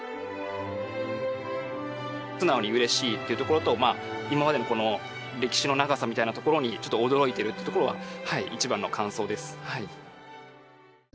素直にうれしいっていうところと今までの歴史の長さみたいなところにちょっと驚いているってところが一番の感想です。